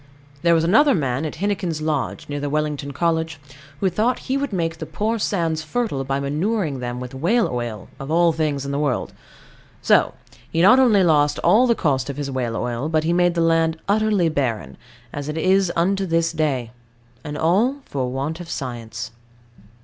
There was another man at Hennequin's Lodge, near the Wellington College, who thought he would make the poor sands fertile by manuring them with whale oil, of all things in the world. So he not only lost all the cost of his whale oil, but made the land utterly barren, as it is unto this day; and all for want of science.